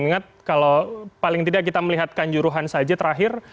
ingat kalau paling tidak kita melihatkan juruhan saja terakhir